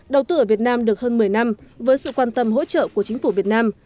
đầu tư ở việt nam được hơn một mươi năm với sự quan tâm hỗ trợ của chính phủ việt nam